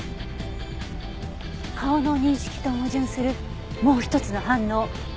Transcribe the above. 顔の認識と矛盾するもう一つの反応。